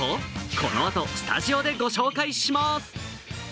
このあとスタジオでご紹介します。